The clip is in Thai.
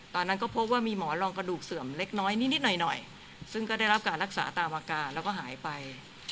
ตอนนั้นก็พบว่ามีหมอลองกระดูกเสื่อมเล็กน้อยนิดหน่อยซึ่งก็ได้รับการรักษาตามอาการแล้วก็หายไป